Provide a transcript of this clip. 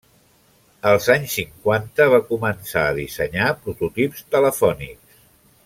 Als anys cinquanta va començar a dissenyar prototips telefònics.